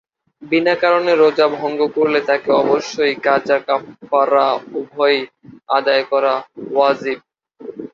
বিনা কারণে রোজা ভঙ্গ করলে তাকে অবশ্যই কাজা-কাফফারা উভয়ই আদায় করা ওয়াজিব।